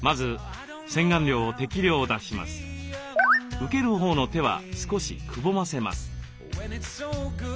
受けるほうの手は少しくぼませます。